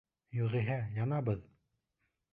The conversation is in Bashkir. Юғиһә, янабыҙ!